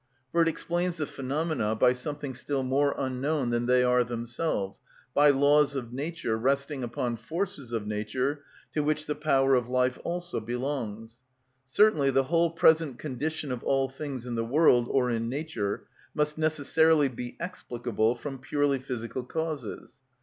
For it explains the phenomena by something still more unknown than they are themselves; by laws of nature, resting upon forces of nature, to which the power of life also belongs. Certainly the whole present condition of all things in the world, or in nature, must necessarily be explicable from purely physical causes.